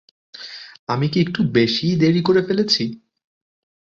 আমি কি একটু বেশীই দেরি করে ফেলেছি?